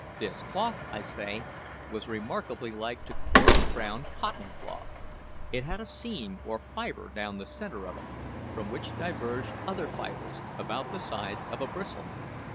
This cloth, I say, was remarkably like to coarse brown cotton cloth. It had a seam or fibre down the centre of it, from which diverged other fibres, about the size of a bristle.